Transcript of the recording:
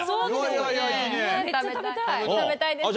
食べたいですね。